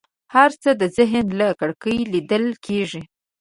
هر څه د ذهن له کړکۍ لیدل کېږي.